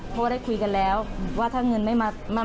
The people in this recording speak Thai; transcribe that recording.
พ่อได้คุยแล้วนะว่าถ้าเงินไม่มา